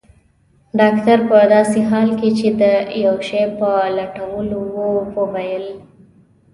ډاکټر په داسې حال کې چي د یو شي په لټولو وو وویل.